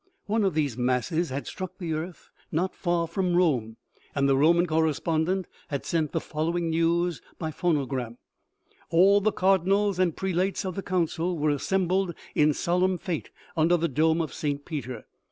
One of these masses had struck the earth not far from Rome, and the Roman correspondent had sent the following news by phonogram :" All the cardinals and prelates of the council were assembled in solemn fete under the dome of St. Peter.